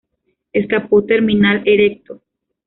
Escapo terminal, erecto.